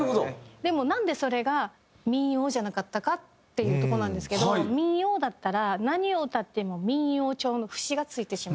でもなんでそれが民謡じゃなかったかっていうとこなんですけど民謡だったら何を歌っても民謡調の節がついてしまう。